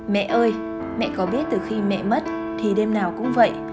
mẹ ơi mẹ có biết từ khi mẹ mất thì đêm nào cũng vậy